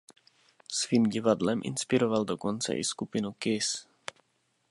Svým "divadlem" inspiroval dokonce i skupinu Kiss.